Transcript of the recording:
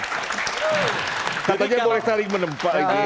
katanya boleh sering menempa